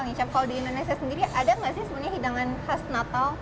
nih cap kalau di indonesia sendiri ada nggak sih sebenarnya hidangan khas natal